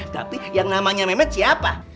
tapi yang namanya memet siapa